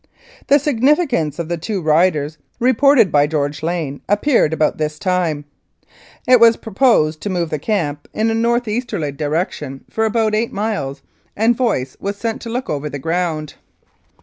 The significance of the two riders reported by George Lane appeared about this time. It was pro posed to move the camp in a north easterly direction 1 68 Wholesale Cattle Smuggling for about eight miles, and Voice was sent to look over the ground.